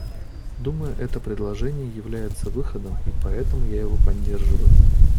Думаю, это предложение является выходом, и поэтому я его поддерживаю.